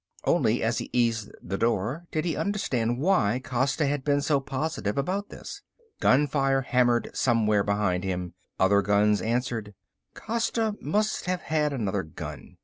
Only as he eased the door did he understand why Costa had been so positive about this. Gunfire hammered somewhere behind him; other guns answered. Costa must have had another gun.